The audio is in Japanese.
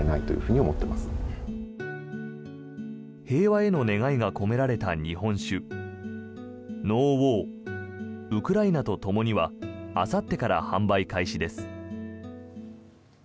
平和への願いが込められた日本酒ＮＯＷＡＲ−ウクライナとともに−はあさってから販売開始です。